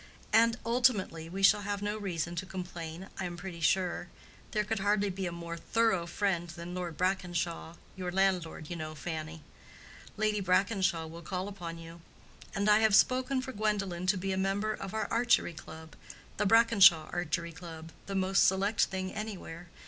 And ultimately, we shall have no reason to complain, I am pretty sure. There could hardly be a more thorough friend than Lord Brackenshaw—your landlord, you know, Fanny. Lady Brackenshaw will call upon you. And I have spoken for Gwendolen to be a member of our Archery Club—the Brackenshaw Archery Club—the most select thing anywhere.